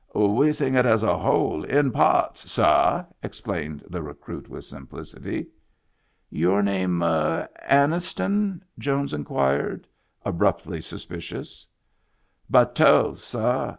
" We sing it as a whole in parts, sah," explained the recruit with simplicity. " Your name Anniston ?" Jones inquired, abruptly suspicious. " Bateau, sah.